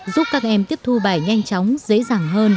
giúp các em tiếp thu bài nhanh chóng dễ dàng hơn